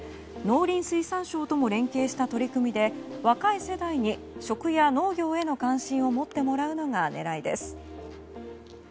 農林水産省とも連携した取り組みで若い世代に食や農業への関心を持ってもらうのが狙いです。